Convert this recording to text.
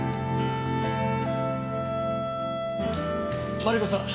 マリコさん